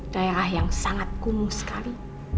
daerah yang sangat kumuh sekali